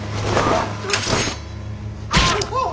あっ！